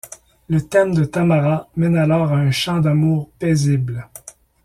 Le thème de Tamara mène alors à un chant d'amour paisible.